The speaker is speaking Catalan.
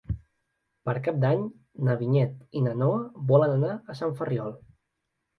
Per Cap d'Any na Vinyet i na Noa volen anar a Sant Ferriol.